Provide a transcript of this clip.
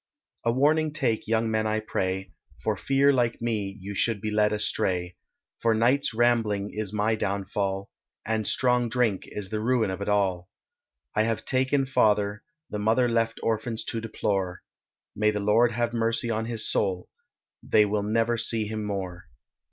A warning take young men I pray, For fear like me you should be led astray, For nights rambling is my downfall, And strong drink is the ruin of all; I have taken father, The mother left orphans to deplore, May the Lord have mercy on his soul, They will never see him more.